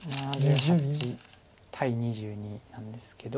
７８対２２なんですけど。